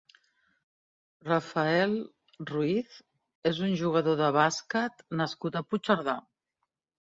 Raphaël Ruiz és un jugador de bàsquet nascut a Puigcerdà.